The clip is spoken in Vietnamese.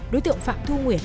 đối tượng phạm thu nguyễn